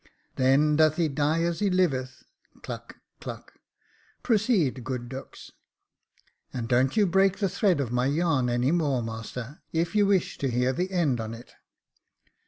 "Then doth he die as he liveth. (Cluck, cluck.) Pro ceed, good Dux." " And don't you break the thread of my yarn any more, master, if you wish to hear the end on it.